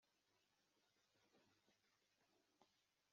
akunda kuba yibereye muri telephone rwose